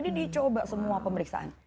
jadi dicoba semua pemeriksaan